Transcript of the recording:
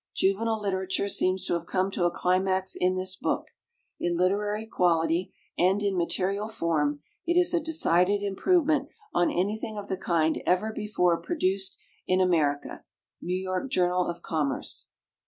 _ Juvenile literature seems to have come to a climax in this book. In literary quality and in material form it is a decided improvement on anything of the kind ever before produced in America. _N. Y. Journal of Commerce.